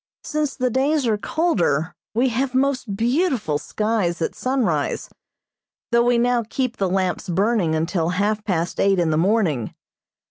Since the days are colder we have most beautiful skies at sunrise, though we now keep the lamps burning until half past eight in the morning.